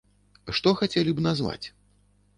Што хацелі б назваць?